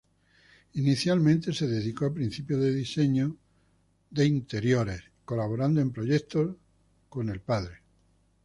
Inicialmente se dedicó a principios de diseño de interiores, colaborando en proyectos de padre.